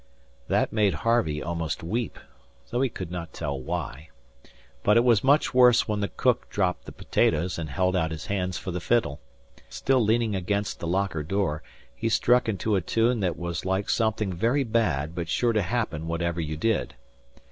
That made Harvey almost weep, though he could not tell why. But it was much worse when the cook dropped the potatoes and held out his hands for the fiddle. Still leaning against the locker door, he struck into a tune that was like something very bad but sure to happen whatever you did.